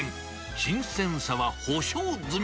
新鮮さは保証済み。